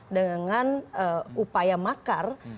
dengan upaya makar